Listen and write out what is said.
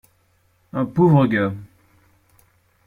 Un pauvre gars.